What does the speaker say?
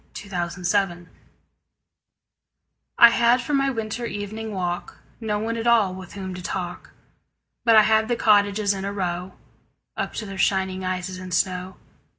Good Hours I HAD for my winter evening walk No one at all with whom to talk, But I had the cottages in a row Up to their shining eyes in snow.